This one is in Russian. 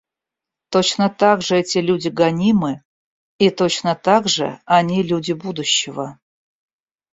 Точно так же эти люди гонимы, и точно так же они люди будущего.